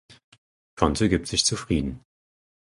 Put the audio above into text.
Conte gibt sich zufrieden.